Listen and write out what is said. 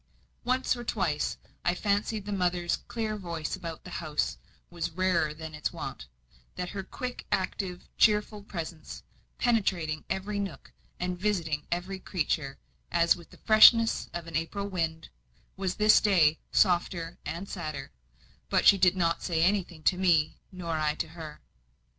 Once or twice I fancied the mother's clear voice about the house was rarer than its wont; that her quick, active, cheerful presence penetrating every nook, and visiting every creature, as with the freshness of an April wind was this day softer and sadder; but she did not say anything to me, nor I to her.